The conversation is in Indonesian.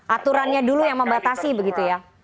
aturannya dulu yang membatasi begitu ya